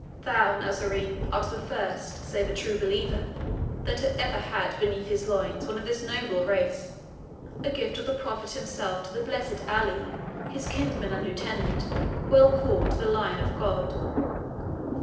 Thou, Nazarene, art the first, save a true believer, that ever had beneath his loins one of this noble race, a gift of the Prophet himself to the blessed Ali, his kinsman and lieutenant, well called the Lion of God.